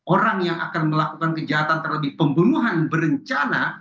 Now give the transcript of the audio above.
orang yang akan melakukan kejahatan terhadap pembunuhan berencana